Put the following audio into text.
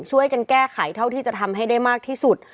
ช่วยกันแก้ไขเท่าที่จะทำให้ได้มากที่สุด